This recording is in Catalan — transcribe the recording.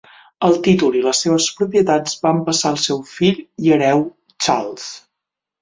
El títol i les seves propietats van passar al seu fill i hereu Charles.